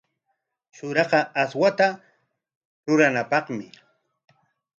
Shuraqa aswata ruranapaqmi.